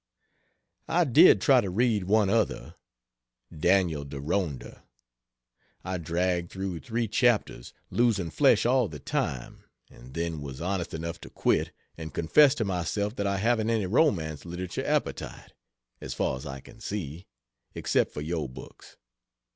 I did try to read one other Daniel Deronda. I dragged through three chapters, losing flesh all the time, and then was honest enough to quit, and confess to myself that I haven't any romance literature appetite, as far as I can see, except for your books.